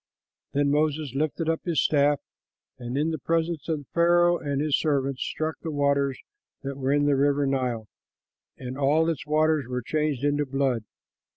'" Then Moses lifted up the staff and in the presence of Pharaoh and his servants struck the waters that were in the river Nile; and all its waters were changed into blood.